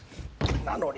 なのに。